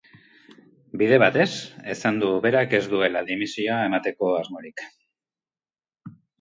Bide batez, esan du berak ez duela dimisioa emateko asmorik.